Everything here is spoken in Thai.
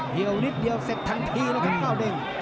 เดี๋ยวนิดเดี๋ยวเสร็จทางทีแล้วกันเก้าเด้ง